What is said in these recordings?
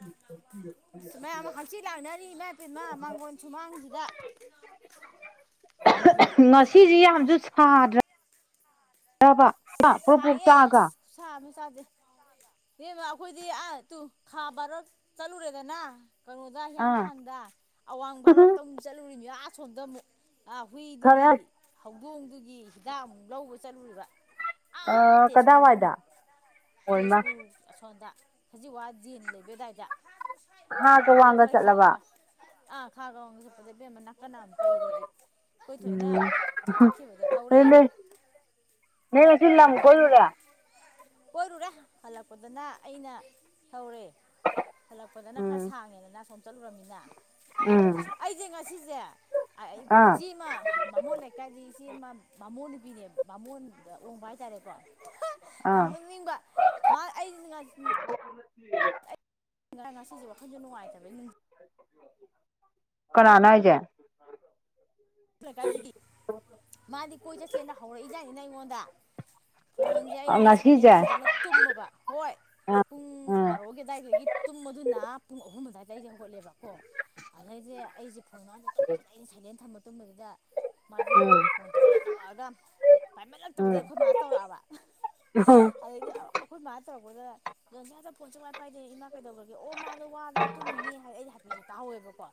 [unintelligible] ꯃꯌꯥꯝ ꯍꯛꯆꯤꯠ ꯂꯥꯡꯅꯔꯤ ꯏꯃꯥꯏ ꯄꯦꯝꯃ ꯃꯥꯡꯒꯣꯟ ꯁꯨꯃꯥꯡꯖꯤꯗ꯫ ꯉꯁꯤꯗꯤ ꯌꯥꯝꯖꯨ ꯁꯥꯗ꯭ꯔꯥ ꯗ꯭ꯔꯕ꯫ [unintelligible] ꯁꯥꯏꯌꯦ ꯑꯁ ꯈꯨꯁꯥ ꯑꯃ ꯢꯁꯥꯁꯦ ꯢꯕꯦꯝꯃ ꯑꯩꯈꯣꯏꯗꯤ ꯑ ꯇꯨ ꯈꯥ [unintelligible] ꯆꯠꯂꯨꯔꯦꯗꯅ꯫ ꯀꯩꯅꯣꯗ ꯑꯥ ꯍꯤꯌꯥꯡꯊꯥꯡꯗ ꯑꯋꯥꯡ ꯚꯥꯔꯣꯠꯇ ꯆꯠꯂꯨꯔꯤꯅꯤ ꯑꯁꯣꯝꯗ ꯑꯃꯨꯛ꯫ ꯈꯔ ꯍꯨꯏꯗꯨꯒꯤ ꯍꯧꯗꯣꯡꯗꯨꯒꯤ ꯍꯤꯗꯥꯛ ꯑꯃꯨꯛ ꯂꯧꯕ ꯆꯠꯂꯨꯔꯤꯕ꯫ ꯇꯦꯖꯄꯨꯔꯗ ꯀꯗꯥꯏꯋꯥꯏꯗ ꯑꯃꯨꯛ ꯑꯣꯏꯃ ꯇꯦꯖꯄꯨꯔ ꯑꯁꯣꯝꯗ [unintelligible] ꯁꯖꯤꯋꯥ ꯖꯦꯟ ꯂꯩꯕꯑꯗꯨꯋꯥꯏꯗ ꯈꯥꯒ ꯋꯥꯡꯒ ꯆꯠꯂꯕ꯫ ꯑ ꯈꯥꯒ ꯋꯥꯡꯒ ꯆꯠꯄꯕ ꯅꯀꯟꯅꯥꯝꯃ ꯄꯩꯔꯦ ꯑꯩ꯫ ꯑꯩꯈꯣꯏ ꯊꯣꯏꯅ ꯎꯝ ꯆꯠꯈꯤꯕꯗ ꯊꯧꯔꯦ꯫ ꯅꯣꯏ ꯅꯣꯏ ꯅꯣꯏ ꯉꯁꯤ ꯂꯝ ꯍꯜꯂꯛꯄꯗꯅ ꯀꯣꯏꯔꯨꯔꯦ ꯀꯣꯏꯔꯨꯔꯦ ꯍꯜꯂꯛꯄꯗꯅ ꯑꯩꯅ ꯊꯧꯔꯦ꯫ ꯍꯜꯂꯛꯄꯗꯅ ꯈꯔ ꯎꯝ ꯁꯥꯡꯉꯦꯗꯅ ꯑꯁꯣꯝ ꯆꯠꯂꯨꯨꯔꯝꯃꯤꯅ꯫ ꯎꯝ ꯑꯩꯗꯤ ꯉꯁꯤꯖꯦ ꯑꯥ ꯏꯆꯦꯃ꯫ ꯕꯥꯃꯣꯟ ꯂꯩꯀꯥꯏꯗꯤ ꯏꯆꯦ ꯃꯥ ꯕꯥꯃꯣꯟ ꯅꯨꯄꯤꯃ ꯕꯥꯃꯣꯟ ꯑꯗ ꯎꯕ ꯍꯥꯏꯇꯥꯔꯦꯀꯣ ꯌꯥꯝ ꯑꯥ ꯅꯣꯛꯅꯤꯡꯕ ꯃꯥ ꯑꯩꯗꯤ [unintelligible] [unintelligible] ꯉꯁꯤꯁꯨ ꯋꯥꯈꯜꯁꯨ ꯅꯨꯡꯉꯥꯏꯇꯕ ꯀꯅꯥꯅꯣ ꯍꯥꯏꯖꯦ꯫ ꯑꯩꯈꯣꯏ ꯂꯩꯀꯥꯏꯗꯒꯤ ꯃꯥꯗꯤ ꯀꯣꯏ ꯆꯠꯁꯦꯅ ꯍꯧꯔꯛꯏꯖꯠꯅꯤꯅ ꯑꯩꯉꯣꯟꯗ꯫ ꯐꯣꯟꯁꯦ ꯑꯩꯅꯅꯦ ꯉꯁꯤꯁꯦ ꯁꯥꯏꯂꯦꯟ ꯑꯥ ꯊꯝꯖꯤꯜꯂ ꯇꯨꯝꯃꯕ ꯍꯣꯏ꯫ ꯄꯨꯡ ꯎꯝ ꯕꯥꯔꯣꯒꯤ ꯑꯗꯨꯋꯥꯏꯗꯒꯤ ꯇꯨꯝꯕꯗꯨꯅ ꯄꯨꯡ ꯑꯍꯨꯝ ꯑꯗꯨꯋꯥꯏꯗꯒꯤ ꯍꯧꯒꯠꯂꯦꯕ ꯀꯣ ꯑꯗꯨꯗꯩꯗꯤ ꯑꯩꯁꯦ ꯐꯣꯟ ꯃꯥꯗꯦ ꯇꯧꯕꯁꯤꯗ ꯑꯩꯅ ꯁꯥꯏꯂꯦꯟ ꯊꯝꯃꯥ ꯇꯨꯝꯕꯗꯨꯗ ꯃꯥꯗꯤ ꯎꯝ ꯐꯣꯟ ꯇꯧꯔꯛꯑ ꯇꯧꯔꯛꯑꯒ ꯄꯥꯏꯃꯂꯛꯇꯕꯗꯤ ꯑꯩꯈꯣꯏ ꯃꯥ ꯇꯧꯔꯛꯑꯕ ꯑꯣ ꯑꯗꯩꯗꯤ ꯑꯩꯈꯣꯏ ꯃꯥꯅ ꯇꯧꯔꯛꯄꯗ [unintelligible] ꯐꯣꯟ ꯁꯨꯡꯄꯥꯢ ꯄꯥꯏꯗꯦ ꯏꯃꯥ ꯀꯩꯗꯧꯈ꯭ꯔꯒꯦ ꯑꯣ ꯃꯥꯗꯣ ꯋꯥꯗꯅ ꯇꯨꯝꯃꯤꯅꯦ ꯍꯥꯏꯅ ꯑꯩꯁ ꯍꯥꯏꯐꯦꯠꯇꯪ ꯇꯥꯍꯧꯋꯦꯕꯀꯣ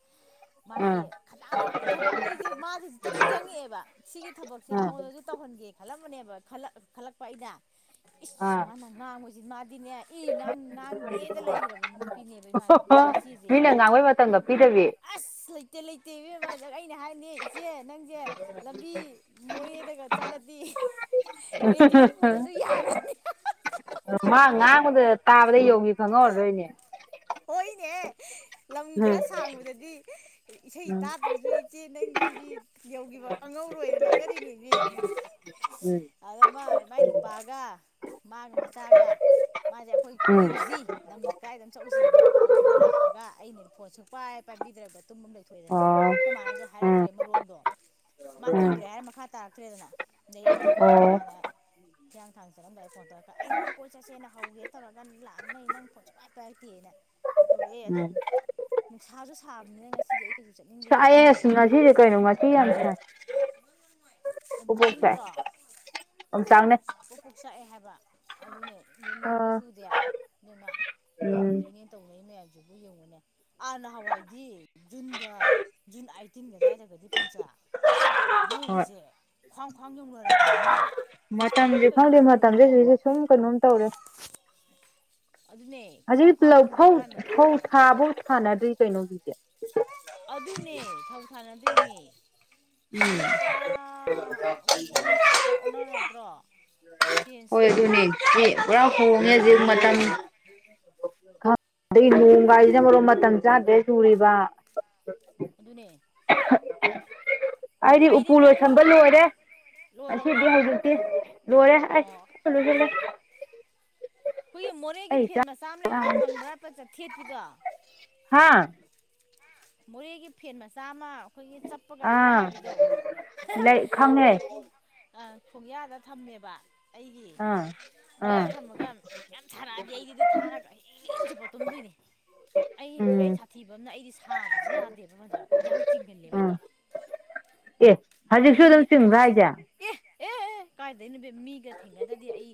ꯃꯥꯁꯦ ꯎꯝ ꯈꯥꯗꯥꯡ ꯌꯥꯝ ꯐꯕ ꯁꯤꯁꯦ ꯃꯥꯁꯦ ꯍꯦꯛꯇ ꯅꯤꯡꯁꯤꯡꯉꯛꯑꯦꯕ ꯁꯤꯒꯤ ꯊꯕꯛꯁꯦ ꯃꯉꯣꯟꯗꯁꯨ ꯇꯧꯍꯟꯒꯦ ꯈꯜꯂꯝꯕꯅꯦꯕ ꯈꯜꯂꯛꯄ ꯑꯩꯅ ꯏꯁ ꯎꯝ ꯑꯥ ꯁꯨꯃꯥꯏꯅ ꯉꯥꯡꯕꯁꯤ ꯃꯥꯗꯤꯅꯦ ꯏ ꯉꯥꯡꯒꯦꯗ ꯂꯩꯒꯦꯗ ꯂꯩꯔꯒ ꯅꯨꯄꯤꯅꯦꯕ ꯏꯃꯥꯅ ꯏꯆꯦꯁꯦ ꯃꯤꯅ ꯉꯥꯡꯕꯩ ꯃꯇꯝꯒ ꯄꯤꯗꯕꯤ ꯑꯁ ꯂꯩꯇꯦ ꯂꯩꯇꯦ ꯏꯕꯦꯝꯃ ꯑꯩꯅ ꯍꯥꯏ ꯅꯪꯅꯦ ꯏꯆꯦ ꯅꯪꯁꯦ ꯂꯝꯕꯤ ꯃꯣꯔꯦꯗꯒ ꯆꯠꯂꯗꯤ ꯔꯦꯗꯤꯑꯣ ꯄꯨꯗ꯭ꯔꯁꯨ ꯌꯥꯔꯅꯤ ꯃꯥ ꯉꯥꯡꯕꯗ ꯇꯥꯕꯗ ꯌꯧꯒꯤ ꯈꯪꯍꯧꯔꯥꯔꯣꯢꯅꯦ ꯍꯣꯏꯅꯦ ꯂꯝ ꯎꯝ ꯈꯔ ꯁꯥꯡꯕꯗꯗꯤ ꯏꯁꯩ ꯎꯝ ꯇꯥꯗ꯭ꯔꯁꯨ ꯏꯆꯦ ꯅꯪꯒꯤꯗꯤ ꯌꯧꯈꯤꯕ ꯀꯥꯡꯍꯧꯔꯣꯏꯅ ꯂꯛꯅꯔꯤꯅꯤꯅꯦ ꯎꯝ ꯑꯗ ꯃ ꯃꯥꯏ ꯅꯨꯄꯥꯒ ꯃꯥꯒ ꯃꯆꯥꯒ ꯃꯥꯁꯦ ꯑꯩꯈꯣꯏꯒꯤ ꯎꯝ ꯀꯣꯏꯔꯨꯁꯤ ꯅ ꯀꯥꯏꯗ ꯑꯃ ꯆꯧꯁꯤꯅ ꯍꯧꯕ ꯂꯥꯛꯑꯒ ꯑꯩꯅꯗꯤ ꯐꯣꯟꯁꯨ ꯁꯨꯄꯥꯏ ꯄꯥꯏꯕꯤꯗ꯭ꯔꯕ ꯇꯨꯝ ꯂꯩ ꯊꯣꯛꯑꯦꯗꯅ ꯑꯣ ꯑꯩꯈꯣꯏ ꯃꯥꯅꯁꯨ ꯎꯝ ꯍꯥꯏꯔꯛꯇ꯭ꯔꯦ ꯃꯔꯣꯟꯗꯣ ꯃꯥ ꯎꯝ ꯇꯨꯝꯈ꯭ꯔꯦ ꯍꯥꯏꯔ ꯃꯈꯥ ꯇꯥꯔꯛꯇ꯭ꯔꯦꯗꯅ ꯑꯗꯩ ꯑꯩꯅ ꯃꯤꯀꯞ ꯑꯣ ꯊꯣꯛꯔꯛꯀꯥꯟꯗ ꯍꯤꯌꯥꯡꯊꯥꯡ ꯆꯠꯂꯝꯗꯥꯏ ꯐꯣꯟ ꯇꯧꯔꯛꯀ ꯑꯩ ꯅꯪ ꯀꯣꯏ ꯆꯠꯁꯦꯅ ꯍꯧꯒꯦ ꯇꯧꯔꯒꯥ ꯂꯥꯛꯑ ꯅ ꯑꯩ ꯅꯪ ꯐꯣꯟ ꯁꯨꯄꯤꯢ ꯄꯥꯏꯔꯛꯇꯦꯅꯦ ꯇꯧꯔꯛꯑꯦ ꯑꯗꯣ ꯎꯝ ꯅꯨꯡꯁꯥꯁꯨ ꯁꯥꯕꯅꯤꯅ ꯉꯁꯤꯗꯤ ꯑꯩ ꯀꯩꯁꯨ ꯆꯠꯅꯤꯡꯗꯦꯕ ꯁꯥꯢꯌꯦ ꯕꯤꯠ ꯑꯁ ꯑꯃ ꯏꯔꯩ ꯉꯁꯤꯁꯦ ꯀꯩꯅꯣ ꯉꯁꯤ ꯌꯥꯝ ꯁꯥꯢ ꯑꯣꯝꯆꯥꯛꯅꯗ꯭ꯔꯣ ꯑꯣꯝꯆꯥꯛꯅꯩ ꯄꯣꯛ ꯄꯣꯛ ꯆꯥꯛꯑꯦ ꯍꯥꯏꯕ ꯑꯗꯨꯅꯦ ꯑꯗꯨ ꯅꯣꯡꯗꯤ ꯑꯥ ꯆꯨꯗꯦ ꯅꯅ ꯂꯧ ꯎꯝ ꯎꯗꯣꯏꯅꯦ ꯇꯧꯅꯩ ꯃꯌꯥꯝꯁꯤꯕꯨ ꯌꯦꯡꯉꯨꯅꯦ ꯑꯥ ꯅꯍꯥꯟꯋꯥꯏꯗꯤ ꯖꯨꯟꯗ ꯖꯨꯟ ꯑꯥꯏꯇꯤꯟꯒ ꯑꯗꯨꯋꯥꯏꯗꯒꯗꯤ ꯄꯟꯖ ꯍꯣꯏ ꯂꯧꯒꯁꯦ ꯈ꯭ꯋꯥꯡ ꯈ꯭ꯋꯥꯡ ꯌꯧꯅꯔꯕꯅꯤ ꯃꯤ ꯍꯧꯖꯤꯛꯅ ꯃꯇꯝꯁꯦ ꯀꯩꯅꯣ ꯈꯪꯗꯦ ꯖꯨꯟ ꯃꯇꯝꯁꯦ ꯂꯣꯏꯗꯣꯔꯦ ꯁꯤꯁꯦ ꯁꯨꯝ ꯀꯩꯅꯣꯝ ꯇꯧꯔꯦ ꯑꯗꯨꯅꯦ ꯈ꯭ꯋꯥꯡ ꯍꯧꯖꯤꯛ ꯈ꯭ꯋꯥꯡ ꯂꯧ ꯐꯧ ꯌꯧꯅꯔꯀꯥꯟꯗ ꯐꯧ ꯊꯥ ꯐꯧ ꯊꯥꯅꯗ꯭ꯔꯤ ꯀꯩꯅꯣ ꯍꯧꯖꯤꯛꯁꯦ ꯑꯗꯨꯅꯦ ꯐꯧ ꯊꯥꯅꯗ꯭ꯔꯤꯃꯦ ꯁꯤꯖꯟꯁꯦ ꯄꯨꯔꯥ ꯑꯩꯈꯣꯏꯒꯤ ꯏꯁꯤꯡ ꯅꯨꯡꯁꯤꯁꯦ ꯄꯨꯔꯥ ꯑꯣꯟꯅꯔꯗ꯭ꯔꯣ ꯆ [unintelligible] ꯍꯣꯏ ꯁꯦ ꯑꯗꯨꯅꯦ ꯄꯨꯔꯥ ꯍꯣꯡꯉꯦ ꯍꯧꯖꯤꯛ ꯃꯇꯝ ꯑꯗꯩ ꯅꯣꯡꯒ ꯍꯥꯏꯁꯤꯅ ꯃꯔꯣꯟ ꯑꯃ ꯃꯇꯝ ꯆꯥꯗ꯭ꯔꯦ ꯆꯨꯔꯤꯕ ꯑꯗꯨꯅꯦ ꯑꯩꯗꯤ ꯎꯄꯨ ꯑꯩꯗꯤꯅꯦ ꯂꯣꯏꯁꯟꯕ ꯑꯩꯈꯣꯏꯒꯤ ꯂꯣꯏꯔꯦ ꯂꯣꯏꯔꯕꯣ ꯉꯁꯤꯗꯤ ꯑꯣ ꯍꯧꯖꯤꯛꯇꯤ ꯂꯣꯏꯔꯦ ꯑꯁ ꯂꯣꯢꯁꯤꯜꯂꯦ ꯑꯩꯈꯣꯏꯒꯤ ꯃꯣꯔꯦꯒꯤ ꯐꯦꯟ ꯃꯆꯥ ꯑꯃ ꯂꯩꯕꯗꯣ ꯂꯥꯝꯃꯦ ꯈꯪꯕ꯭ꯔꯥ ꯆꯠ ꯊꯦꯠꯄꯤꯗꯣ ꯍꯥꯥ ꯃꯣꯔꯦꯒꯤ ꯐꯦꯟ ꯃꯆꯥ ꯑꯃ ꯑꯩꯈꯣꯏꯒꯤ ꯆꯠꯄꯒ ꯊꯦꯠꯄ ꯑꯥ ꯌꯥꯕꯤꯗꯣ ꯂꯩ ꯈꯪꯉꯦ ꯑꯩ ꯑ ꯈꯣꯡꯌꯥꯗ ꯊꯝꯃꯦꯕ ꯑꯩꯒꯤ ꯑꯥ ꯈꯣꯡꯌꯥ ꯑꯥ ꯊꯝꯃꯒ ꯌꯥꯝ ꯁꯥꯔꯛꯑꯗꯤ ꯑꯩꯗꯤ ꯑꯗꯨ ꯊꯥꯔꯒ ꯑꯍꯤꯡ ꯆꯨꯞꯄ ꯇꯨꯝꯗꯣꯏꯅꯦ ꯑꯩ ꯈ꯭ꯋꯥꯏ ꯎꯝ ꯁꯥꯊꯤꯕ ꯑꯃꯅ ꯑꯩꯗꯤ ꯁꯥꯕꯁꯦ ꯌꯥꯗꯦꯕ ꯃ ꯌꯥꯡ ꯆꯤꯡꯒꯜꯂꯦꯕ ꯎꯝ ꯍꯦꯛꯇ ꯑꯦ ꯍꯧꯖꯤꯛꯁꯨ ꯑꯩ ꯑꯗꯨꯝ ꯁꯤꯡꯕ꯭ꯔꯥ ꯆꯤꯡ ꯍꯥꯢꯖꯦ ꯑꯦ ꯑꯦ ꯑꯦ ꯀꯥꯏꯗꯣꯏꯅꯣ ꯢꯕꯦꯝꯃ ꯃꯤꯒ ꯊꯦꯡꯅꯗ꯭ꯔꯗꯤ ꯑꯩ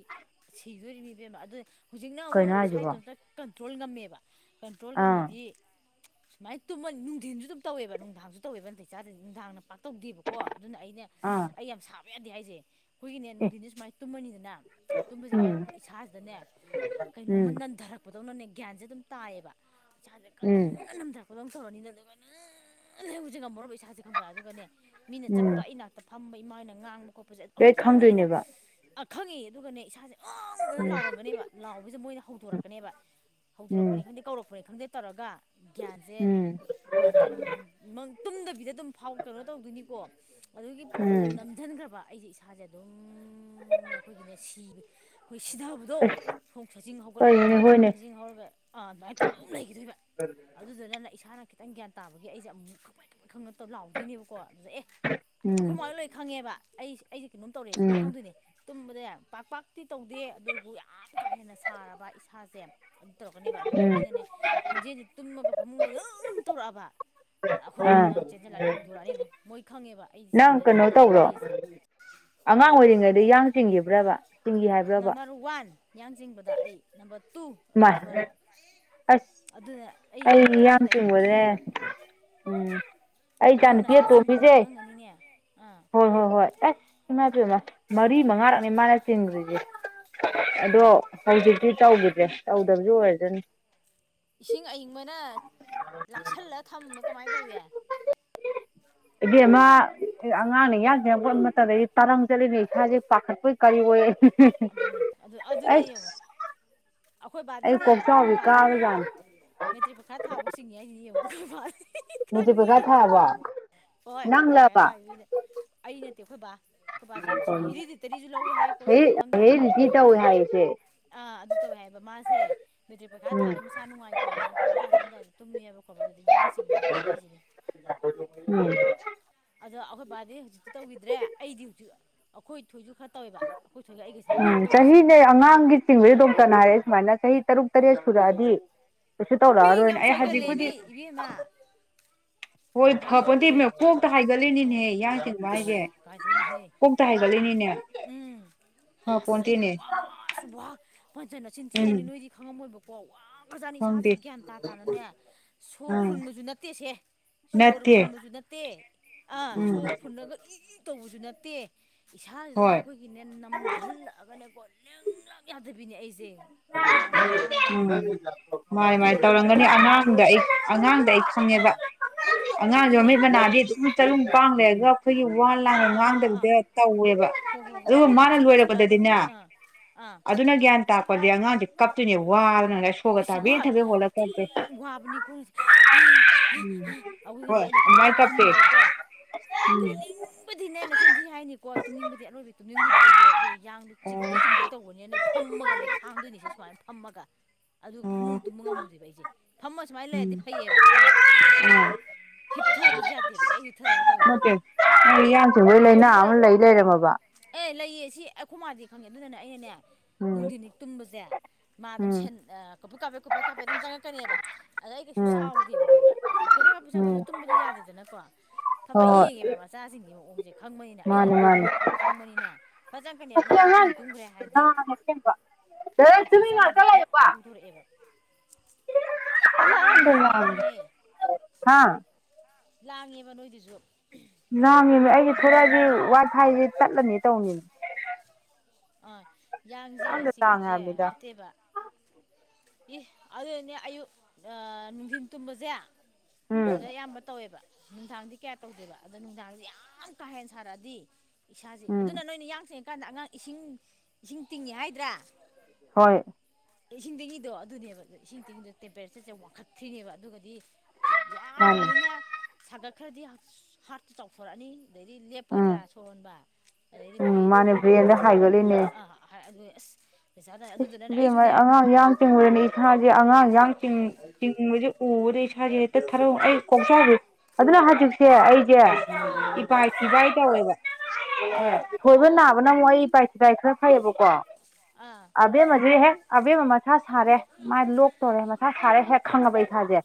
ꯁꯤꯗꯣꯔꯤꯅꯤ ꯏꯕꯦꯝꯃ ꯑꯗꯨ ꯍꯧꯖꯤꯛꯅ ꯀꯩꯅꯣ ꯑꯃꯨꯛ ꯏꯁꯥ ꯍꯥꯏꯁꯤꯕꯣ ꯏꯇꯣꯝꯇ ꯀꯟꯇ꯭ꯔꯣꯜ ꯉꯝꯃꯦꯕ ꯀꯟꯇ꯭ꯔꯣꯜ ꯑꯥ ꯉꯝꯃꯤꯗꯤ ꯁꯨꯃꯥꯏꯅ ꯇꯨꯝꯃ ꯅꯨꯡꯊꯤꯟꯁꯨ ꯑꯗꯨꯝ ꯇꯧꯋꯦꯕ ꯅꯨꯡꯗꯥꯡꯁꯨ ꯇꯧꯋꯦꯕ ꯅꯇꯩ ꯆꯥꯗ꯭ꯔꯗꯤ ꯅꯨꯡꯗꯥꯡꯅ ꯄꯥꯛꯇꯧꯗꯦꯕꯀꯣ ꯀꯣ ꯑꯗꯨꯅ ꯑꯩꯅꯦ ꯑꯥ ꯑꯩ ꯌꯥꯝ ꯁꯥꯕ ꯌꯥꯗꯦ ꯍꯥꯏꯁꯦ ꯑꯩꯈꯣꯏꯒꯤꯅꯦ ꯑꯦ ꯅꯨꯡꯊꯤꯟꯅꯦ ꯁꯨꯃꯥꯏꯅ ꯇꯨꯝꯃꯅꯤꯗꯅ ꯇꯨꯝꯕꯁꯤ ꯀꯥꯟꯗ ꯎꯝ ꯑꯩꯈꯣꯏ ꯏꯁꯥꯁꯤꯗꯅꯦ ꯎꯝ ꯀꯩꯅꯣꯝꯃ ꯅꯟꯊꯔꯛꯄꯗꯧꯅꯅꯦ ꯒ꯭ꯌꯥꯟꯁꯦ ꯑꯗꯨꯝ ꯇꯥꯏꯑꯦꯕ ꯏꯁꯁꯦ ꯎꯝ ꯀꯟꯅ ꯅꯟꯊꯔꯛꯄ ꯈꯨꯗꯣꯡꯊꯧꯔꯅꯤꯅ ꯑꯗꯨꯒ ꯅ ꯂꯩ ꯍꯧꯁꯦ ꯉꯝꯃꯕ ꯏꯁꯥꯁꯦ ꯈꯪꯕ꯭ꯔꯥ ꯑꯗꯨꯒꯅꯦ ꯃꯤꯅ ꯆꯠꯄ ꯎꯝ ꯑꯩ ꯅꯥꯛꯇ ꯐꯝꯕ ꯏꯃꯥꯅ ꯉꯥꯡꯕ ꯈꯣꯠꯄꯁꯦ ꯂꯣꯏ ꯑꯃꯨꯛꯇꯪꯗꯤ ꯑꯩꯅ ꯈꯪꯗꯣꯏꯅꯦꯕ ꯈꯪꯉꯦ ꯑꯗꯨꯒꯅꯦ ꯏꯁꯥꯁꯦ ꯌꯥꯝꯅ ꯎꯝ ꯂꯥꯎꯔꯝꯒꯅꯦꯕ ꯂꯥꯎꯕꯁꯤꯗ ꯃꯣꯏꯅ ꯍꯧꯗꯣꯔꯛꯀꯅꯦꯕ ꯎꯝ ꯍꯧꯗꯣꯔꯛꯒꯅꯤ ꯈꯪꯗꯦ ꯀꯧꯔꯛꯄ꯭ꯔꯦ ꯈꯪꯗꯦ ꯇꯧꯔꯒ ꯒ꯭ꯌꯥꯟꯁꯦ ꯎꯝ ꯇꯥꯏꯕꯪ ꯇꯨꯝꯗꯕꯤꯗ ꯑꯗꯨꯝ ꯐꯥꯎ ꯇꯧꯗꯣꯏꯅꯤꯀꯣ ꯑꯗꯨꯒꯤ ꯄꯣꯠꯇꯨꯅ ꯎꯝ ꯅꯝꯁꯤꯟꯈ꯭ꯔꯕ ꯑꯩꯁꯦ ꯏꯁꯥꯁꯦ ꯑꯗꯨꯝ ꯑꯩꯈꯣꯏꯒꯤꯅꯦ ꯁꯤꯕ ꯑꯩꯈꯣꯏ ꯁꯤꯊꯕꯗꯣ ꯑꯁ ꯈꯣꯡ ꯁꯖꯤꯡ ꯍꯧꯒꯠꯂꯒ ꯀꯩꯅꯣꯅꯦ ꯍꯣꯏꯅꯦ ꯁꯖꯤꯡ ꯍꯧꯔꯒ ꯑꯥ ꯑꯗꯨꯃꯥꯏꯅ ꯊꯧ ꯑꯗꯨꯝ ꯂꯩꯈꯤꯗꯣꯏꯕ ꯑꯗꯨꯗꯨꯅ ꯏꯁꯥꯅ ꯈꯤꯇꯪ ꯒ꯭ꯌꯥꯟ ꯇꯥꯕꯒꯤ ꯑꯩꯁꯦ ꯑꯃꯨꯛ ꯈꯔ ꯈꯪ ꯅꯠꯇꯕ ꯂꯥꯎꯗꯣꯏꯅꯦꯕꯀꯣ ꯑꯗꯨꯗ ꯑꯦ ꯍ [inaudible] ꯑꯈꯣꯢ ꯃꯥꯍꯣꯢ ꯂꯣꯏ ꯈꯪꯉꯦꯕ ꯑꯩ ꯑꯩꯁꯦ ꯀꯩꯅꯣꯝ ꯇꯧꯔꯦꯁꯦ ꯑꯗꯨꯝ ꯎꯝ ꯈꯪꯗꯣꯏꯅꯦ ꯇꯨꯝꯕꯗ ꯄꯥꯛ ꯄꯥꯛ ꯇꯤ ꯇꯧꯗꯦ ꯑꯗꯨꯕꯨ ꯌꯥꯝ ꯀꯥ ꯍꯦꯟꯅ ꯁꯥꯔꯕ ꯏꯁꯥꯁꯦ ꯑꯗꯨ ꯇꯧꯔꯛꯀꯅꯦꯕ ꯑꯗꯣ ꯎꯝ ꯑꯩꯅꯅꯦ ꯈꯣꯟꯖꯦꯜꯁꯤ ꯇꯨꯝꯃꯒ ꯐꯃꯨꯡꯗ ꯑꯝꯝ [unintelligible] ꯇꯧꯔꯛꯑꯕ ꯑꯩꯈꯣꯏꯃꯥ ꯑꯥ ꯍꯣꯏꯅ ꯆꯦꯟꯁꯤꯜꯂꯛꯑꯅꯤ ꯍꯧꯗꯣꯔꯛꯑꯅꯤ ꯑꯗꯨꯝ ꯃꯣꯏ ꯈꯪꯉꯦꯕ ꯑꯩꯁ ꯁꯤ ꯅꯪ ꯂꯩ ꯀꯩꯅꯣ ꯑꯅꯥꯕ ꯑꯃ ꯇꯧꯕ꯭ꯔꯣ ꯂꯩꯔꯤꯁꯦ ꯑꯉꯥꯡ ꯀꯔꯤ ꯑꯣꯏꯔꯤꯉꯩꯗ ꯌꯥꯡ ꯆꯤꯡꯈꯤꯕ꯭ꯔꯕ ꯆꯤꯡꯈꯤ ꯍꯥꯏꯕ꯭ꯔꯕ ꯅꯝꯕꯔ ꯋꯥꯟ ꯌꯥꯡ ꯆꯤꯡꯕꯗ ꯑꯩ ꯅꯝꯕꯔ ꯇꯨ ꯑꯩꯈꯣꯏ ꯃꯥꯏ ꯊꯣꯢ ꯑꯁ ꯑꯗꯨꯅ ꯑꯩꯅ ꯌꯥꯝ ꯑꯗꯨꯅ ꯑꯩ ꯆꯤꯡꯕꯅꯦ ꯀꯤꯕ ꯎꯝ ꯑꯩ ꯏꯆꯥ ꯅꯨꯨꯄꯤ ꯅꯆꯥ ꯆꯤꯡꯕꯗ ꯃꯇꯣꯝꯕꯤꯁꯦ ꯈꯪꯉꯝꯒꯅꯤꯅꯦ ꯑꯥ ꯍꯣꯏ ꯍꯣꯏ ꯍꯣꯏ ꯑꯁ ꯏꯃꯩ ꯄꯦꯝꯃꯃꯔꯤ ꯃꯉꯥꯔꯛꯅꯤ ꯃꯥꯅ ꯆꯤꯡꯗ꯭ꯔꯤꯁꯦ ꯑꯗꯣ ꯑꯗꯨꯅꯦ ꯀꯔꯤ ꯍꯧꯖꯤꯛꯇꯤ ꯇꯧꯈꯤꯗ꯭ꯔꯦ ꯇꯧꯗꯕꯁꯨ ꯑꯣꯏꯔꯁꯨꯅꯣ ꯏꯁꯤꯡ ꯑꯏꯤꯡꯕꯅ ꯂꯥꯛꯁꯜꯂ ꯊꯝꯕꯅꯣ ꯀꯃꯥꯏꯅ ꯇꯧꯋꯤ ꯏꯕꯦꯝꯃ ꯑꯉꯥꯡꯅ ꯌꯥꯡ ꯆꯤꯡꯉꯥꯛꯄ ꯃꯇꯝꯗꯗꯤ ꯇꯥꯔꯪ ꯆꯠꯂꯤꯅꯦ ꯏꯁꯥꯁꯦ ꯄꯥꯈꯠꯄꯣꯢ ꯀꯔꯤ ꯑꯣꯏ ꯑꯗꯨꯅꯦ ꯑꯗꯨ ꯑꯗꯨꯅꯦ ꯑꯩꯁ ꯌꯦꯡꯉꯣ ꯑꯩꯈꯣꯏ ꯑꯩ ꯕꯥꯗꯤꯅꯦ ꯑꯩꯈꯣꯏ ꯀꯣꯛꯆꯥꯎꯕꯤ ꯕꯥꯅ ꯍꯥꯏꯅꯤ ꯀꯥꯕꯖꯥꯠꯅꯤ ꯃꯦꯇ꯭ꯔꯤꯛ ꯄꯥꯈꯥ ꯊꯥꯕ ꯆꯤꯡꯉꯤ ꯍꯥꯏꯁꯤꯅꯤ ꯌꯦꯡꯉꯨ ꯃꯥ ꯃꯦꯇ꯭ꯔꯤꯛ ꯄꯩꯈꯥ ꯍꯪꯉꯤ ꯊꯥꯔꯕꯣ ꯍꯣꯏ ꯅꯪꯂꯕ [unintelligible] [unintelligible] [unintelligible] ꯑꯩ ꯅꯠꯇꯦ ꯈꯣꯏꯕꯥ ꯈꯣꯏꯕꯥꯁꯨ ꯌꯥꯝ ꯆꯤꯡꯉꯤ ꯎꯝ ꯍꯦꯔꯤꯗꯤ ꯇꯔꯤꯁꯨ ꯂꯧꯏ ꯍꯥꯏ ꯈꯣꯏ ꯍꯦ ꯁꯤꯁꯦ ꯈꯪꯗꯦꯀꯣ ꯍꯦꯔꯤ ꯔꯤꯇꯤ ꯇꯧꯋꯦ ꯍꯥꯏꯌꯦꯁꯦ ꯑꯥ ꯑꯗꯨ ꯇꯧꯋꯦ ꯍꯥꯏꯕ ꯃꯥꯁꯦ ꯃꯦꯇ꯭ꯔꯤꯛ ꯄꯔꯤꯈꯥ ꯎꯝ ꯊꯥꯕ ꯃꯁꯥ ꯅꯨꯡꯉꯥꯏꯇꯦꯅ ꯕꯥꯔꯈꯥ ꯆꯝꯗꯥꯏꯗ ꯇꯨꯝꯃꯦꯑꯦꯕ ꯒꯣ ꯑꯗꯨꯗꯤ ꯌꯥꯡ ꯆꯤꯡꯗꯅ ꯑꯩꯅ [unintelligible] ꯎꯝ [inaudible] ꯑꯗꯣ ꯑꯩꯈꯣꯏ ꯕꯥꯗꯤ ꯍꯧꯖꯤꯛꯇꯤ ꯇꯧꯈꯤꯗ꯭ꯔꯦ ꯑꯩꯗꯤ ꯍꯧꯖꯤꯛ ꯑꯩꯈꯣꯏ ꯊꯣꯏꯁꯨ ꯈ ꯇꯧꯋꯦꯕ ꯑꯩꯈꯣꯏ ꯊꯣꯏ ꯒꯁꯤꯅꯦꯕ ꯃꯌꯥꯝ ꯎꯝ ꯇꯧꯔꯤꯁꯦ ꯆꯍꯤꯅꯦ ꯑꯉꯥꯡꯒꯤ ꯆꯤꯡꯕꯩ ꯗꯣꯛꯇꯅ ꯂꯥꯛꯑꯦ ꯁꯨꯃꯥꯏꯅ ꯆꯍꯤ ꯇꯔꯨꯛ ꯇꯔꯦꯠ ꯁꯨꯔꯛꯑꯗꯤ ꯀꯩꯁꯨ ꯄꯦꯡ ꯇꯧꯔꯛꯑꯔꯣꯏꯅ ꯌꯥꯝ ꯑꯩ ꯆꯣꯢꯒꯥꯟꯂꯦ ꯍꯧꯖꯤꯛꯄꯨꯗꯤ ꯏꯕꯦꯝꯃ ꯍꯣꯏ ꯌꯥꯝ ꯐꯕꯗꯤ ꯃ ꯆꯤꯡꯕꯁꯦ ꯀꯣꯛꯇ ꯎꯝ ꯍꯥꯏꯒꯠꯂꯤꯅꯤꯅꯦꯍꯦ ꯌꯥꯡ ꯆꯤꯡꯕ ꯍꯥꯏꯁꯦ ꯀꯥꯏꯗꯩꯅꯣꯍꯦ ꯀꯣꯛꯇ ꯍꯥꯏꯒꯠꯂꯤꯅꯦ ꯎꯝ ꯑꯁ ꯑꯩ ꯋꯥꯁꯨ ꯋꯥ ꯐꯖ ꯅꯆꯤꯟꯊꯤ ꯎꯝ ꯍꯥꯏꯅꯤ ꯅꯣꯏꯗꯤ ꯈꯪꯉꯝꯃꯣꯏꯕ ꯄꯥꯎ ꯋꯥ ꯐꯖꯥꯠꯅꯤ ꯏꯁꯥꯁꯦ ꯈꯪꯗꯦ ꯒ꯭ꯌꯥꯟ ꯇꯥ ꯇꯥꯅꯅꯦ ꯁꯣꯔ ꯎꯝ ꯐꯨꯟꯕꯁꯨ ꯅꯠꯇꯦꯁꯦ ꯁꯣꯔ ꯅꯠꯇꯦ ꯐꯨꯟꯕꯁꯨ ꯅꯠꯇꯦ ꯑꯥ ꯎꯝ ꯁꯣꯔ ꯐꯨꯟꯂꯒ ꯏ ꯢ ꯇꯧꯕꯁꯨ ꯅꯠꯇꯦ ꯏꯁꯥꯁꯤꯗꯅꯦ ꯍꯣꯏ ꯑꯩꯈꯣꯏꯒꯤꯅꯦ ꯅꯝꯖꯜꯂꯛꯑꯒꯅꯦꯀꯣ ꯂꯦꯡꯂꯛ ꯌꯥꯗꯕꯤꯅꯦ ꯑꯩꯁꯦ ꯒ꯭ꯌꯥꯟ ꯎꯝ ꯃꯥꯅꯤ ꯃꯥꯅꯤ ꯑꯗꯨꯏꯗꯨꯅ ꯇꯧꯔꯝꯒꯅꯤ ꯅꯝꯊꯈ꯭ꯔꯒꯗꯤ ꯑꯉꯥꯡꯗ ꯑꯩ ꯑꯉꯥꯡꯗꯣ ꯑꯩ ꯈꯪꯉꯦꯕ ꯑꯥ ꯑꯉꯥꯡꯁꯨ ꯑꯗꯨꯅꯦ ꯃꯃꯤꯠ ꯃꯅꯥꯗꯤ ꯑꯗꯨꯝ ꯇꯔꯨ ꯄꯥꯡ ꯂꯩꯔꯒ ꯑꯩꯈꯣꯏꯒꯤ ꯋꯥ ꯑꯥ ꯂꯥꯡꯒ ꯑꯥ ꯑꯥ ꯑꯥ ꯑꯥ ꯉꯥꯡꯗꯕꯗ ꯇꯧꯋꯦꯕ ꯍꯣ ꯍꯣ ꯍꯣꯏ ꯑꯗꯨꯒ ꯃꯥꯅ ꯃꯨꯁꯟ ꯃꯨꯁꯜꯂꯛꯑꯒ ꯂꯣꯏꯔꯛꯄꯗꯗꯤꯅꯦ ꯑꯥ ꯑꯥ ꯑꯗꯨꯅ ꯒ꯭ꯌꯥꯟ ꯇꯥꯛꯄꯗꯤ ꯑꯉꯥꯡꯁꯦ ꯀꯞꯇꯣꯏꯅꯦ ꯋꯥꯅ ꯑꯩꯁ ꯋꯥ ꯊꯤꯅ ꯋꯥꯕꯅꯤꯒꯣ ꯑꯃꯨꯛꯀꯁꯨꯅꯦ ꯍꯣꯏ ꯑꯩꯅ ꯍꯧꯒꯠꯂ ꯑꯗꯨꯃꯥꯏ ꯀꯞꯄꯦ ꯐꯝꯂꯅꯤꯀꯣ ꯇꯨꯝꯅꯤꯡ ꯇꯨꯝꯕꯗꯤꯅꯦ ꯅꯆꯤꯟ ꯊꯤ ꯍꯥꯏꯅꯤꯀꯣ ꯇꯨꯝꯅꯤꯡꯕꯗꯤ ꯑꯔꯣꯏꯕꯤꯗꯤ ꯇꯨꯝꯅꯤꯡꯂꯤꯕ ꯑꯩꯁꯦ ꯑꯗꯨꯒ ꯌꯥꯡꯗ ꯑꯣ ꯆꯤꯡꯒꯦ ꯆꯤꯡꯒꯦ ꯇꯧꯕꯅꯦꯅꯅꯦ ꯐꯝꯃꯒꯅꯦ ꯈꯥꯡꯗꯣꯏꯅꯤꯁꯦ ꯁꯨꯃꯥꯏꯅ ꯐꯝꯃꯒ ꯑꯗꯨ ꯑꯣ ꯐꯃꯨꯡ ꯇꯨꯝꯕ ꯉꯝꯃꯨꯗꯣꯏꯕ ꯑꯩꯁꯦ ꯐꯝꯃ ꯁꯨꯃꯥꯏꯅ ꯎꯝ ꯂꯩꯔꯗꯤ ꯐꯩꯌꯦꯕ ꯈꯔ ꯑꯥ ꯍꯤꯞꯊꯕꯁꯦ ꯌꯥꯗꯦꯕ ꯑꯩ ꯍꯤꯞꯊꯔꯒ ꯇꯧꯋꯦꯕ ꯌꯥꯡ ꯆꯤꯡꯕꯩ ꯂꯥꯏꯅꯥ ꯑꯃ ꯁꯥꯊꯤꯗ꯭ꯔꯥ ꯂꯩ ꯂꯩꯔꯝꯃꯕ ꯑꯦ ꯂꯩꯌꯦ ꯁꯤ ꯑꯩꯈꯣꯏ ꯃꯥꯗꯤ ꯈꯪꯉꯦ ꯑꯗꯨꯗꯅꯦ ꯑꯩꯅꯅꯦ ꯎꯝ ꯅꯨꯡꯗꯤꯟ ꯍꯦꯛ ꯇꯨꯝꯕꯁꯦ ꯃꯥ ꯑꯗꯨꯝ ꯎꯝ ꯀꯕꯨꯠ ꯀꯥꯄꯦ ꯀꯨꯞꯄꯦ ꯀꯥꯄꯦ ꯑꯗꯨꯝ ꯆꯪꯉꯥꯛꯀꯅꯦꯕ ꯑꯗ ꯑꯩ ꯀꯩꯁꯨ ꯎꯝ ꯁꯥꯎꯗꯦꯕ ꯈꯪꯕ꯭ꯔꯥ ꯀꯣꯏꯕ ꯎꯝ [unintelligible] ꯇꯨꯝꯕꯗꯤ ꯌꯥꯗꯦꯗꯅꯀꯣ ꯍꯣꯏ ꯊꯕꯛ ꯍꯣꯏ ꯌꯦꯡꯉꯦꯕ ꯃꯆꯥꯁꯤꯡꯒꯤ ꯃꯑꯣꯡꯁꯦ ꯈꯪꯕꯅꯤꯅ ꯑꯩꯒꯤ ꯃꯥꯅꯤ ꯃꯥꯅꯤ ꯃꯑꯣꯡꯁꯦ ꯈꯔ ꯈꯪꯕꯅꯤꯅ ꯐꯠ ꯆꯪꯀꯅꯤ ꯑꯁꯤ ꯑꯉꯥꯡꯁꯦ ꯀꯨꯏꯅ ꯇꯨꯝꯈ꯭ꯔꯦ ꯍꯥꯏꯔꯗꯤ ꯂꯥꯡꯉꯦ ꯑꯁꯦꯡꯕ ꯗꯥꯗꯥ ꯅꯥꯇꯩ ꯇꯨꯃꯤꯟ ꯆꯥꯗꯗꯤ ꯉꯥꯛꯇ ꯑꯗꯨ ꯂꯩꯌꯨꯀꯣ ꯀꯧꯔꯛꯑꯦꯕ ꯄꯪꯂꯥꯡꯗ ꯍꯥ ꯂꯥꯡꯉꯦꯕ ꯅꯣꯏꯗꯨꯁꯨ ꯂꯥꯡꯉꯦꯃꯦ ꯑꯩꯒꯤ ꯑꯗꯨꯅꯦ ꯊꯣꯔꯛꯑꯗꯤ ꯋꯥ ꯏꯕꯦꯝꯃ ꯐꯥꯏꯁꯤ ꯇꯠꯂꯅꯤ ꯇꯧꯅꯤꯅꯦ ꯑꯥ ꯌꯥꯡꯁꯦ ꯌꯥꯝꯅ ꯇꯥꯡꯉꯦ ꯆꯤꯡꯕꯁꯦ ꯍꯥꯏꯕꯅꯤꯗ ꯐꯠꯇꯦꯕ ꯏꯁ ꯑꯗꯨꯅꯦ ꯑꯌꯨꯛ ꯅꯨꯡꯊꯤꯟ ꯇꯨꯝꯕꯁꯦ ꯎꯝ ꯁꯤꯗ ꯑꯌꯥꯝꯕ ꯇꯧꯋꯦꯕ ꯅꯨꯡꯗꯥꯡꯗꯤ ꯀꯌꯥ ꯇꯧꯗꯦꯕ ꯑꯗꯣ ꯅꯨꯡꯗꯥꯡꯁꯦ ꯌꯥꯝ ꯀꯥ ꯍꯦꯟꯅ ꯁꯥꯔꯛꯑꯗꯤ ꯏꯁꯥꯁꯦ ꯑꯗꯨꯅ ꯎꯝ ꯅꯣꯏꯅ ꯌꯥꯡ ꯆꯪꯉꯀꯥꯟꯗ ꯑꯉꯥꯡ ꯏꯁꯤꯡ ꯏꯁꯤꯡ ꯇꯤꯡꯉꯦ ꯍꯥꯏꯗ꯭ꯔꯥ ꯍꯣꯏ ꯏꯁꯤꯡ ꯇꯦꯡꯒꯤꯗꯣ ꯑꯗꯨꯅꯦꯕ ꯑꯗꯣ ꯏꯁꯤꯡ ꯇꯦꯡꯒꯤꯗꯣ ꯇꯦꯝꯄꯔꯦꯆꯔꯁꯦ ꯋꯥꯡꯈꯠꯇ꯭ꯔꯤꯅꯦꯕ ꯑꯗꯨꯒꯗꯤ ꯃꯥꯅꯦ ꯌꯥꯝꯈ꯭ꯔꯕꯅꯤꯅ ꯁꯥꯒꯠꯈ꯭ꯔꯗꯤ ꯍꯥꯔꯠꯇꯨ ꯆꯥꯎꯊꯣꯔꯛꯑꯅꯤ ꯑꯗꯩꯗꯤ ꯎꯝ ꯂꯦꯞꯄꯣꯏꯗ꯭ꯔꯥ ꯁꯣꯔ ꯍꯣꯟꯕ ꯑꯗꯩꯗꯤ ꯎꯝ ꯕ꯭ꯔꯦꯟꯁꯤꯗ ꯃꯥꯅꯦ ꯀꯣꯀꯤꯗ ꯕ꯭ꯔꯦꯟꯗ ꯐꯨꯒꯅꯤ ꯍꯥꯏꯒꯠꯂꯤꯅꯦ ꯑꯥ ꯑꯗꯨꯅꯦ ꯑꯁ ꯄꯩꯁꯥꯗ ꯑꯗꯨꯗꯨꯅꯅꯦ ꯏꯕꯦꯝꯃ ꯑꯩꯁꯨꯅꯦ ꯑꯉꯥꯡ ꯌꯥꯡ ꯆꯤꯡꯉꯨꯔꯅꯤ ꯢꯁꯥꯁꯦ ꯑꯉꯥꯡ ꯌꯥꯡ ꯆꯤꯡ ꯎꯝ ꯆꯤꯡꯕꯁꯦ ꯎꯕꯗ ꯏꯁꯥꯁꯦ ꯍꯦꯛꯇ ꯊꯔ ꯑꯩ ꯀꯣꯛꯆꯧꯕꯤ ꯑꯗꯨꯅꯦ ꯍꯥꯏꯖꯦ ꯁꯦ ꯑꯩꯁꯦ ꯑꯥ ꯏꯄꯥꯏ ꯊꯤꯕꯥꯏ ꯇꯧꯋꯦꯕ ꯑꯦ ꯊꯣꯏꯕ ꯑꯥ ꯅꯥꯕꯅ ꯑꯃꯨꯛ ꯑꯩ ꯏꯄꯥꯏ ꯊꯤꯄꯥꯏ ꯈꯔ ꯐꯩꯌꯦꯕꯀꯣ ꯑꯥ ꯑꯕꯦꯝꯃꯁꯦ ꯍꯦꯛ ꯑꯕꯦꯝꯃ ꯃꯁꯥ ꯁꯥꯔꯦ ꯃꯥꯏꯅ ꯂꯣꯛ ꯇꯧꯔꯦ ꯃꯁꯥ ꯁꯥꯔꯦ ꯍꯦꯛ ꯈꯪꯉꯕ ꯏꯁꯥꯁꯦ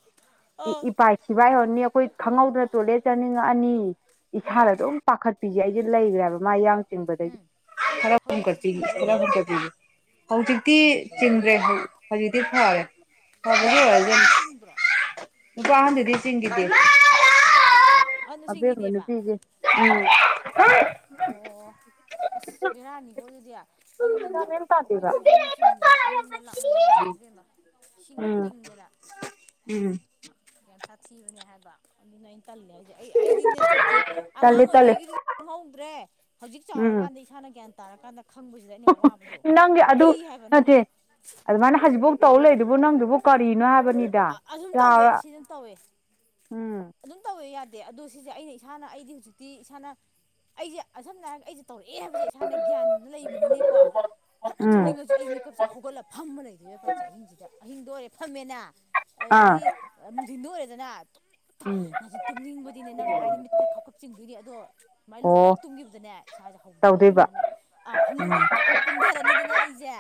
ꯑꯣ ꯏꯄꯥꯥꯏ ꯊꯤꯐꯥꯏ ꯍꯧꯔꯅꯤ ꯑꯩꯈꯣꯏ ꯈꯪꯍꯧꯗꯅ ꯇꯣꯏꯂꯦꯠ ꯆꯥꯅꯤꯡꯉꯛꯑꯅꯤ ꯎꯝ ꯏꯁꯥꯗ ꯑꯗꯨꯝ ꯄꯥꯈꯠꯄꯤꯁꯦ ꯑꯩꯁꯦ ꯂꯩꯈ꯭ꯔꯦꯕ ꯃꯥ ꯌꯥꯡ ꯆꯤꯡꯕꯗꯒꯤ ꯎꯝ ꯈꯔ [unintelligible] ꯍꯧꯖꯤꯛꯇꯤ ꯆꯤꯡꯉꯤꯕꯣꯅꯦ ꯈꯔ ꯀꯝ [unintelligible] ꯍꯧꯖꯤꯛꯇꯤ ꯆꯤꯡꯗ꯭ꯔꯦ ꯍꯧꯖꯤꯛꯇꯤ ꯐꯔꯦ [unintelligible] ꯅꯨꯄꯥ ꯑꯍꯟꯗꯨꯗꯤ ꯆꯤꯡꯕ꯭ꯔꯣ [unintelligible] ꯅꯨꯄꯥ ꯑꯍꯥꯟꯗꯨꯗꯤ ꯆꯤꯡꯒꯤꯗꯤ ꯑꯍꯟꯗꯣ ꯑꯕꯦꯝꯃ ꯆꯤꯡꯈꯤꯗꯦꯕ ꯅꯨꯄꯤꯁꯦ [unintelligible] [unintelligible] ꯑꯣ ꯑꯁ ꯕꯦꯔꯥꯅꯤꯀꯣ ꯑꯗꯨꯗꯤ ꯑꯗꯨꯅꯅꯦ ꯒ꯭ꯌꯥꯟ ꯑꯣ ꯃꯦꯟ ꯑꯃ ꯑꯩꯈꯣꯏ ꯇꯥꯗꯦꯕ ꯊꯣꯏꯁꯨꯅ ꯆꯤꯡꯗꯅ ꯑꯏꯤꯡꯕ ꯂꯥꯛꯅꯩ ꯍꯥꯏꯁꯤꯅꯦ ꯢꯕꯦꯝꯃ ꯏꯁꯤꯡꯗ ꯎꯝ ꯇꯤꯡꯗꯅ ꯎꯝ ꯌꯥꯝ ꯁꯥꯊꯤꯕꯅꯦ ꯍꯥꯏꯕ ꯑꯗꯨꯅ ꯑꯩꯅ ꯇꯜꯂꯦ ꯍꯥꯏꯁꯦ ꯑꯩ ꯑꯩꯗꯤꯅꯦ ꯁꯥꯊꯤ ꯇꯜꯂꯦ ꯑꯉꯥꯡ ꯇꯜꯂꯦ ꯑꯣꯏꯔꯤꯉꯩꯒꯤꯗꯨꯗꯤ ꯈꯪꯍꯧꯗ꯭ꯔꯦ ꯍꯧꯖꯤꯛ ꯎꯝ ꯆꯥꯎꯔꯀꯥꯟꯗ ꯏꯁꯥꯅ ꯒ꯭ꯌꯥꯟ ꯇꯥꯔꯀꯥꯟꯗ ꯈꯪꯕꯁꯤꯗ ꯑꯩꯅ ꯋꯥꯕꯗꯣ ꯅꯪꯒꯤ ꯑꯗꯨ ꯀꯤ ꯍꯥꯏꯕ ꯅꯪ ꯅꯠꯇꯦ ꯑꯗꯨꯃꯥꯏꯅ ꯍꯧꯖꯤꯛꯐꯧ ꯇꯧ ꯂꯩꯗꯨꯕꯨ ꯅꯪꯗꯨꯕꯨ ꯀꯔꯤꯅꯣ ꯍꯥꯏꯕ ꯑꯗꯨꯝ ꯇꯧꯋꯦ ꯁꯤ ꯑꯗꯨꯝ ꯇꯧꯋꯦ ꯎꯝ ꯑꯗꯨꯝ ꯇꯧꯋꯦ ꯌꯥꯗꯦ ꯑꯗꯣ ꯁꯤꯁꯦ ꯑꯩꯅ ꯏꯁꯥꯅ ꯑꯩꯗꯤ ꯍꯧꯖꯤꯛꯇꯤ ꯏꯁꯥꯅ ꯑꯩꯁꯦ ꯁꯝꯅ ꯍꯥꯏꯔꯒ ꯑꯩꯁꯦ ꯇꯧꯔꯛꯑꯦ ꯍꯥꯏꯕꯁꯦ ꯏꯁꯥꯅ ꯒ꯭ꯌꯥꯟ ꯂꯩꯕꯅꯤꯅꯀꯣ ꯐꯖꯅ ꯎꯝ ꯊꯨꯝꯅꯤꯡꯉꯁꯨ ꯑꯩ ꯃꯤ ꯀꯞꯁꯦ ꯍꯧꯒꯠꯂꯒ ꯐꯝꯃ ꯂꯩꯗꯣꯏꯕ ꯑꯍꯤꯡꯁꯤꯗ ꯑꯍꯤꯡꯗ ꯑꯣꯏꯔꯦ ꯐꯝꯃꯦꯅ ꯑꯥ ꯑꯗꯨꯗꯒꯤ ꯅꯨꯡꯗꯤꯟꯗ ꯑꯣꯏꯔꯦꯗꯅ ꯎꯝ ꯅ ꯇꯨꯝꯅꯤꯡꯕꯗꯤꯅꯦ ꯅꯪ ꯍꯥꯏꯗꯤ ꯃꯤꯠ ꯁꯦ ꯈꯥꯞ ꯈꯥꯞ ꯆꯤꯡꯗꯣꯏꯅꯤ ꯑꯗꯣ ꯁꯨꯃꯥꯏ ꯂꯣꯡꯉꯒ ꯑꯣ ꯍꯦꯛ ꯇꯨꯝꯈꯤꯕꯗꯅꯦ ꯏꯁꯥꯁꯦ ꯍꯧꯈꯤꯗꯣꯏꯕ ꯇꯧꯗꯣꯏꯕ ꯑꯗꯨꯗꯅꯅꯦ ꯑ ꯐꯃꯨꯡꯗ ꯏꯇꯣꯛ ꯀꯨꯝꯊꯔꯅꯤꯗꯅ ꯑꯩꯁꯦ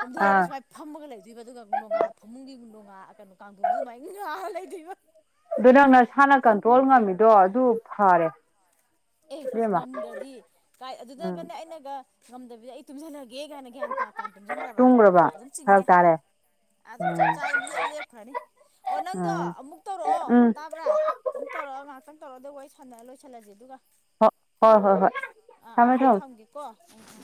ꯀꯨꯝꯊꯔꯒ ꯑꯥ ꯁꯨꯃꯥꯏꯅ ꯐꯝꯃꯒ ꯂꯩꯗꯣꯏꯕ ꯑꯗꯨꯒ ꯅꯣꯡꯒꯥ ꯐꯃꯨꯡꯒꯤ ꯅꯣꯡꯉꯥ ꯀꯩꯅꯣ ꯀꯥꯡꯊꯣꯡꯗꯨ ꯑꯗꯨꯃꯥꯏꯅ ꯉꯥ ꯂꯩꯗꯣꯏꯕ ꯑꯗꯨ ꯅꯪ ꯅꯁꯥꯅ ꯀꯟꯇ꯭ꯔꯣꯜ ꯉꯝꯃꯤꯗꯣ ꯑꯗꯨ ꯐꯔꯦ ꯑꯦ ꯁꯤ ꯏꯕꯦꯝꯃ ꯉꯝꯗ꯭ꯔꯗꯤ ꯀꯥꯏ ꯎꯝ ꯑꯗꯨꯗꯒꯅꯦ ꯑꯩꯅꯒ ꯉꯝꯗꯕꯤꯗ ꯑꯩ ꯇꯨꯝꯁꯤꯜꯂꯒꯦ ꯀꯥꯏꯅ ꯒ꯭ꯌꯥꯟ ꯇꯥ ꯇꯥꯅ ꯇꯨꯝꯁꯤꯟꯈ꯭ꯔꯕ ꯇꯨꯝꯒ꯭ꯔꯕ ꯑꯗꯨꯝ ꯆꯤꯡꯉꯦ ꯐꯔꯛ ꯇꯥꯔꯦ ꯑꯗꯨꯝ ꯎꯝ ꯆꯞ ꯆꯥ ꯂꯦꯞꯈ꯭ꯔꯅꯤ ꯑꯣ ꯅꯪꯗꯣ ꯎꯝ ꯑꯃꯨꯛ ꯇꯧꯔꯛꯑꯣ ꯎꯝ ꯇꯥꯕ꯭ꯔꯥ ꯑꯃꯨꯛ ꯇꯧꯔꯛꯑꯣ ꯉꯥꯛꯇꯪ ꯇꯧꯔꯒ ꯋꯥꯔꯤ ꯁꯥꯟꯅꯔ ꯂꯣꯏꯁꯤꯜꯂꯁꯦ ꯑꯗꯨꯒ ꯍꯣꯏ ꯍꯣꯏ ꯍꯣꯏ ꯍꯣꯏ ꯑꯥ ꯊꯝꯃꯦ ꯑꯝꯇ ꯊꯝꯃꯦ ꯊꯝꯒꯦꯀꯣ ꯎꯝ ꯎꯝ